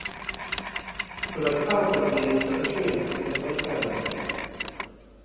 The most powerful of these are the treants led by Turlang.